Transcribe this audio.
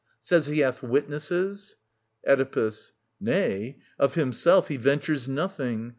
Says he hath witnesses ? Oedipus. Nay, of himself he ventures nothing.